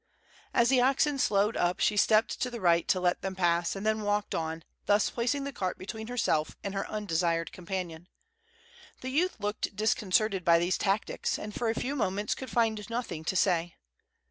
As the oxen slowed up she stepped to the right to let them pass, and then walked on, thus placing the cart between herself and her undesired companion. The youth looked disconcerted by these tactics, and for a few moments could find nothing to say.